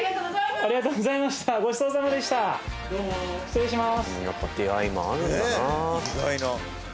ありがとうございます。